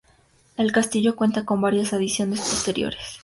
El castillo cuenta con varias adiciones posteriores.